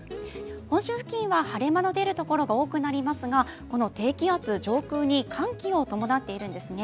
本州付近は晴れ間の出るところが多くなりますが、低気圧の上空に寒気を伴っているんですね。